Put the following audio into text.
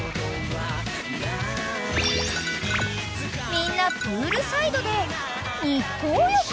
［みんなプールサイドで］